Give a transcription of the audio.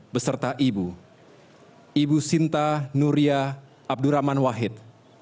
bapak ibu sinta nuria abdurrahman wahid